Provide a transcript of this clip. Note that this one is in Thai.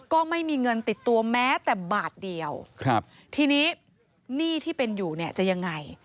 ก็ไม่มีเงินติดตัวแม้แต่บาทเดียวครับทีนี้หนี้ที่เป็นอยู่เนี่ยจะยังไง